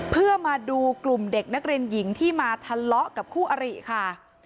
เพื่อมาดูกลุ่มเด็กนักเรียนหญิงที่มาทะเลาะกับคู่อริค่ะ